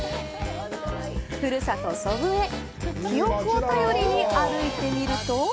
ふるさと祖父江記憶を頼りに歩いてみると。